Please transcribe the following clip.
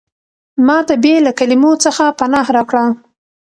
ما ته بې له کلمو څخه پناه راکړه.